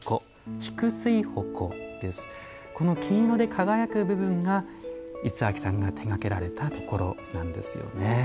この金色で輝く部分が五明さんが手がけられたところなんですよね。